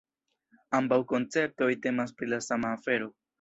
Ambaŭ konceptoj temas pri la sama afero.